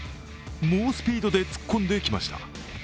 猛スピードで突っ込んできました。